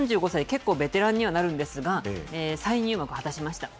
結構ベテランにはなるんですが、再入幕を果たしました。